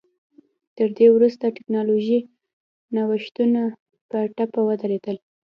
تر دې وروسته ټکنالوژیکي نوښتونه په ټپه ودرېدل